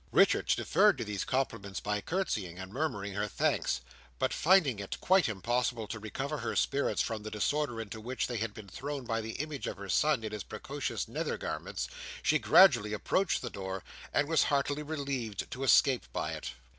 Richards deferred to these compliments by curtseying and murmuring her thanks; but finding it quite impossible to recover her spirits from the disorder into which they had been thrown by the image of her son in his precocious nether garments, she gradually approached the door and was heartily relieved to escape by it.